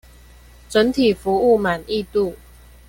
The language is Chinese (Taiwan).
整體服務滿意度